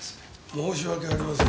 申し訳ありません